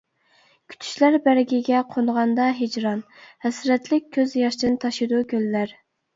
كۈتۈشلەر بەرگىگە قونغاندا ھىجران، ھەسرەتلىك كۆز ياشتىن تاشىدۇ كۆللەر.